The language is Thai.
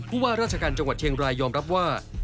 ว่าราชการจังหวัดเชียงรายยอมรับว่า